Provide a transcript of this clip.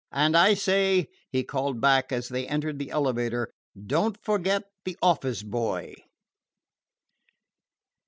And I say," he called back as they entered the elevator, "don't forget the office boy."